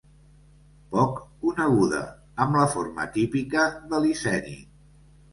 Poc coneguda; amb la forma típica de licènid.